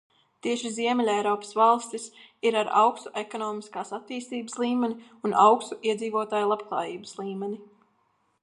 Tieši Ziemeļeiropas valstis ir ar augstu ekonomiskās attīstības līmeni un augstu iedzīvotāju labklājības līmeni.